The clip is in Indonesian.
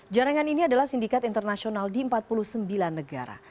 jaringan ini adalah sindikat internasional di empat puluh sembilan negara